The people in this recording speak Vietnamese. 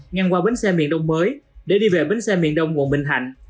ngang qua bến xe miền đông mới để đi về bến xe miền đông quận bình thạnh